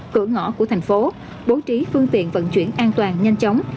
cửa ngõ của thành phố bố trí phương tiện vận chuyển an toàn nhanh chóng